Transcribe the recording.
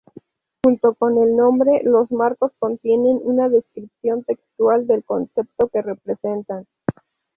Junto con el nombre, los marcos contienen una descripción textual del concepto que representan.